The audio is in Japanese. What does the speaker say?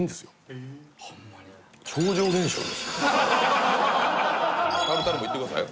ねっタルタルもいってください